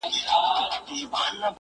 زما انارګلي زما ښایستې خورکۍ؛